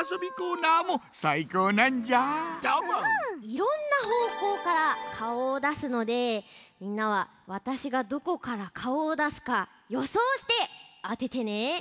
いろんなほうこうからかおをだすのでみんなはわたしがどこからかおをだすかよそうしてあててね。